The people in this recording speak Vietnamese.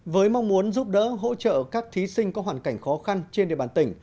với mong muốn giúp đỡ hỗ trợ các thí sinh có hoàn cảnh khó khăn trên địa bàn tỉnh